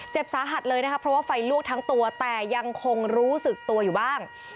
สาหัสเลยนะคะเพราะว่าไฟลวกทั้งตัวแต่ยังคงรู้สึกตัวอยู่บ้าง